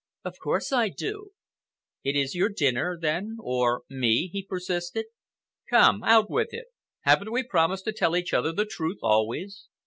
"Of course I do." "It is your dinner, then, or me?" he persisted. "Come, out with it. Haven't we promised to tell each other the truth always?"